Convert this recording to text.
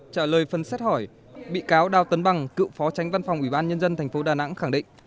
trả lời phần xét hỏi bị cáo đào tấn bằng cựu phó tránh văn phòng ủy ban nhân dân tp đà nẵng khẳng định